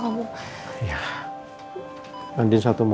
ndah nanya baru perempuan